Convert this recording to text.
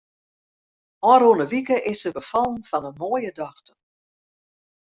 Ofrûne wike is se befallen fan in moaie dochter.